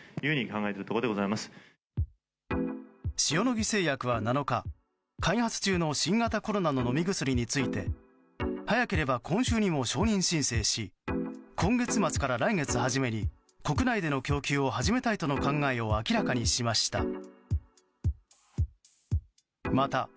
塩野義製薬は７日、開発中の新型コロナの飲み薬について早ければ今週にも承認申請し今月末から来月初めに国内での供給を始めたいとの考えを明らかにしました。